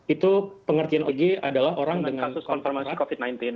itu pengertian otg adalah orang dengan kontak erat